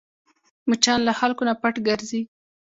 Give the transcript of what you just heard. مچان له خلکو نه پټ ګرځي